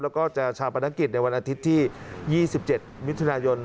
แล้วก็จะชาปนกิจในวันอาทิตย์ที่๒๗มิถุนายน